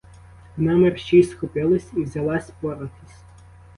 Вона мерщій схопилась і взялась поратись.